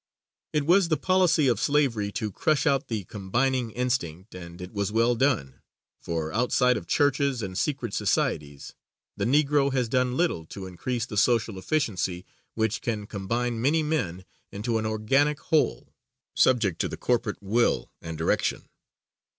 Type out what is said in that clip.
_ It was the policy of slavery to crush out the combining instinct, and it was well done; for, outside of churches and secret societies, the Negro has done little to increase the social efficiency which can combine many men into an organic whole, subject to the corporate will and direction.